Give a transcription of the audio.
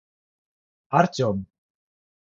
Артем